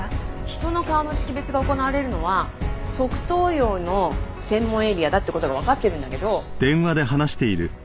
人の顔の識別が行われるのは側頭葉の専門エリアだって事がわかってるんだけど。